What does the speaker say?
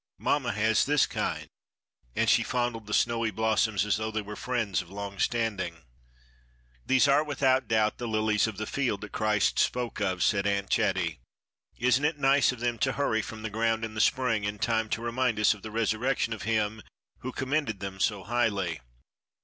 Mamma has this kind," and she fondled the snowy blossoms as though they were friends of long standing. "These are, without doubt, the 'lilies of the field' that Christ spoke of," said Aunt Chatty. "Isn't it nice of them to hurry from the ground in the spring in time to remind us of the resurrection of Him who commended them so highly?